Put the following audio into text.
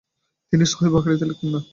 তিনি সহীহ বুখারীতে লিখতেন না।